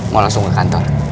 mau langsung ke kantor